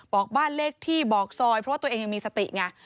บอกบ้านเลขที่บอกซอยเพราะว่าตัวเองยังมีสติไง